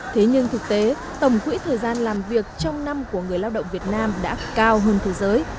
thế nhưng thực tế tổng quỹ thời gian làm việc trong năm của người lao động việt nam đã cao hơn thế giới